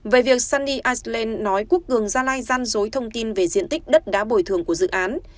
về việc sunny iceland nói quốc cường gia lai gian dối thông tin về diện tích đất đã bồi thường của dự án